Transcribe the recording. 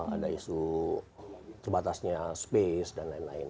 ada isu terbatasnya space dan lain lain